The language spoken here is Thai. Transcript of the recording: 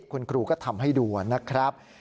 คุณครูก็ทำให้ดูนะครับ